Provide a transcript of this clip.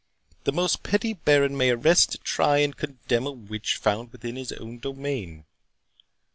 The most petty baron may arrest, try, and condemn a witch found within his own domain.